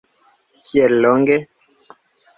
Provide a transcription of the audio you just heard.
Kiel longe?